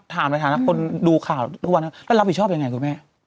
ถามในฐานะคนดูข่าวทุกวันนั้นแล้วรับผิดชอบยังไงคุณแม่